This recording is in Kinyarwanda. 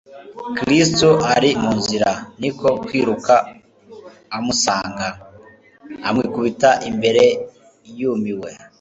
Kristo ari mu nzira, niko kwiruka amusanga, amwikubita imbere yumiwe.